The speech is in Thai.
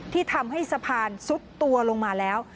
ที่ทำให้สะพานซุดตัวลงมาแล้ว